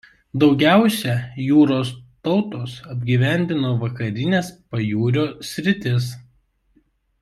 Daugiausia jūros tautos apgyvendino vakarines pajūrio sritis.